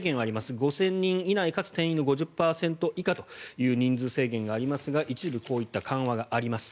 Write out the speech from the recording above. ５０００人以内かつ定員の５０％以下という人数制限はありますが一部緩和があります。